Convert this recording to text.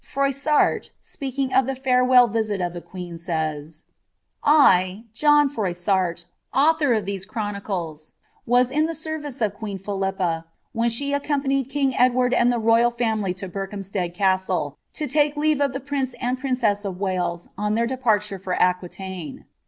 Froiasart, speaking of the farewell Tint of the I) John Fioianrt, aothor of theee chronicles, was in the serrioe of leen Philippa^ when she accompanied king Edward and the ro3ral iuIt to Beirklnmstead Castle, to take leave of the prince and princess Wales on their departure for Aquitaine.